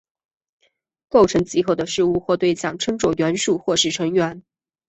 构成集合的事物或对象称作元素或是成员。